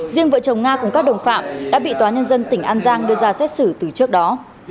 riêng vợ chồng nga cùng các đồng phạm đã bị tòa nhân dân tỉnh an giang đưa ra xét xử từ trước đó